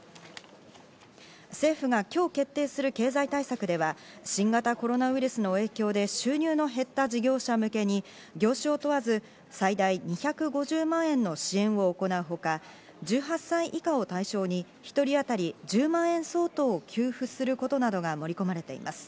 政府が今日決定する経済対策では新型コロナウイルスの影響で収入の減った事業者向けに業種を問わず最大２５０万円の支援を行うほか、１８歳以下を対象に１人当たり１０万円相当を給付することなどが盛り込まれています。